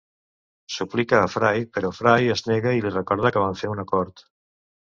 Suplica a Fry, però Fry es nega i li recordar que van fer un acord.